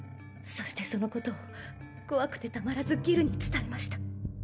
そしてそのことを怖くてたまらずギルに伝えました。